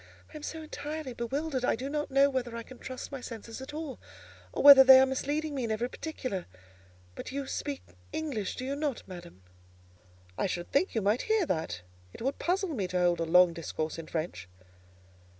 "I am so entirely bewildered, I do not know whether I can trust my senses at all, or whether they are misleading me in every particular: but you speak English, do you not, madam?" "I should think you might hear that: it would puzzle me to hold a long discourse in French."